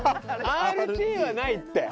ＲＴはないって！